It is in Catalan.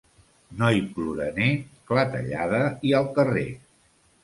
Noi ploraner, clatellada i al carrer.